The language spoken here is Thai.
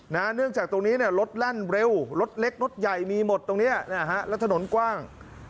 เนื่องจากตรงนี้รถแล่นเร็วรถเล็กรถใหญ่มีหมดตรงนี้นะฮะแล้วถนนกว้าง